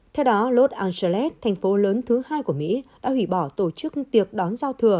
theo đó los angeles thành phố lớn thứ hai của mỹ đã hủy bỏ tổ chức tiệc đón giao thừa